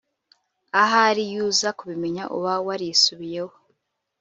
Ahari iy’uza kubimenya uba warisubiyeho